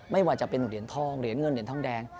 ไม่ว่าจะเป็นเหรียญทองเหรียญเงินเหรียญทองแดง